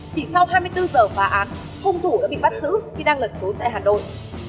chỉ sau hai mươi bốn giờ phá án hung thủ đã bị bắt giữ khi đang lẩn trốn tại hà nội